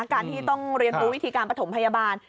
การที่ต้องเรียนรู้วิธีการประถมพยาบาล